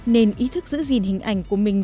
nên ý thức giữ gìn hình ảnh của mình